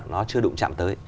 nó chưa đụng chạm tới